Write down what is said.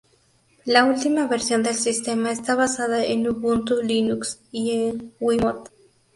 La última versión del sistema está basada en Ubuntu-Linux y en Wiimote.